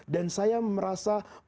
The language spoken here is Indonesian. dan saya merasa